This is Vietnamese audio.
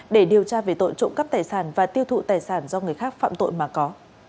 để điều tra về tội trộm cắp tài sản và tiêu thụ tài sản do người khác phạm tội mà có